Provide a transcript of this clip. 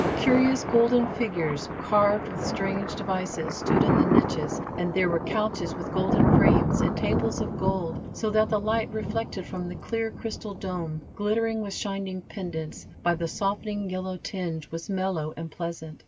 Curious golden figures, carved with strange devices, stood in the niches, and there were couches with golden frames, and tables of gold, so that the light, reflected from the clear crystal dome, glittering with shining pendants, by the softening yellow tinge, was mellow and pleasant.